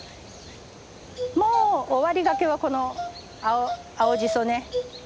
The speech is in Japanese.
もう終わりがけはこの青じそね。